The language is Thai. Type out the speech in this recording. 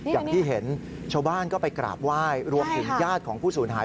อย่างที่เห็นชาวบ้านก็ไปกราบไหว้รวมถึงญาติของผู้สูญหาย